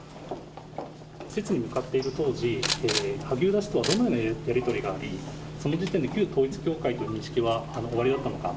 施設に向かっている当時、萩生田氏とはどのようなやり取りがあり、その時点で旧統一教会という認識はおありだったのか。